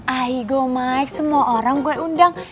aigo mike semua orang gue undang